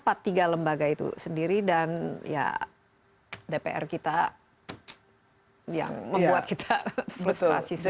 karena ada tiga lembaga itu sendiri dan ya dpr kita yang membuat kita frustrasi semua